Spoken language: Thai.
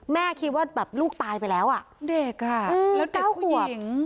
แม่คิดว่าแบบลูกตายไปแล้วอ่ะเด็กอ่ะแล้วเด็กผู้หญิง